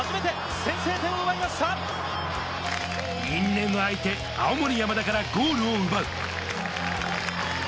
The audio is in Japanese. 因縁の相手・青森山田からゴールを奪う。